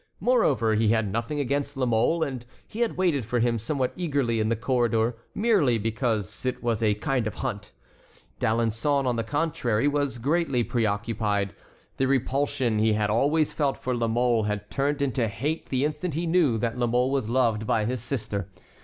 Moreover, he had nothing against La Mole, and he had waited for him somewhat eagerly in the corridor merely because it was a kind of hunt. D'Alençon, on the contrary, was greatly preoccupied. The repulsion he had always felt for La Mole had turned into hate the instant he knew that La Mole was loved by his sister.